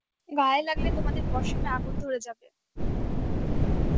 গায়ে লাগলে তোমাদের পশমে আগুন ধরে যাবে।